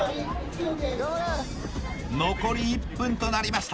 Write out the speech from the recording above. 残り１分となりました